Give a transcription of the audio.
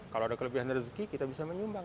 kalau ada kelebihan rezeki kita bisa menyumbang